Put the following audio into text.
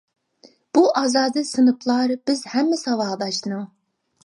بۇ ئازادە سىنىپلار، بىز ھەممە ساۋاقداشنىڭ.